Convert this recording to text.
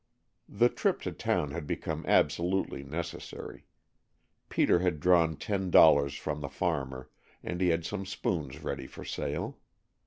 The trip to town had become absolutely necessary. Peter had drawn ten dollars from the farmer and he had some spoons ready for sale.